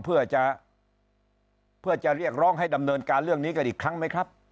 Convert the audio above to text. เพื่อจะเพื่อจะเรียกร้องให้ดำเนินการเรื่องนี้กันอีกครั้งไหมครับ